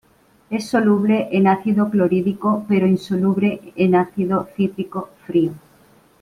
Es soluble en ácido clorhídrico pero insoluble en ácido cítrico frío.